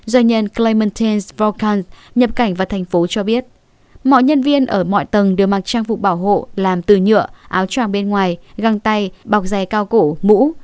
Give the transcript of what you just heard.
doanh nhân climantine sporns nhập cảnh vào thành phố cho biết mọi nhân viên ở mọi tầng đều mặc trang phục bảo hộ làm từ nhựa áo tràng bên ngoài găng tay bọc giày cao cổ mũ